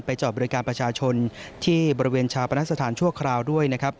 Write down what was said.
จอดบริการประชาชนที่บริเวณชาปนสถานชั่วคราวด้วยนะครับ